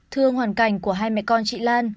thương hoàn cảnh của hai mẹ con chị lan